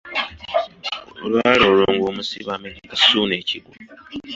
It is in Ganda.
Olwali olwo nga omusibe amegga Ssuuna ekigwo .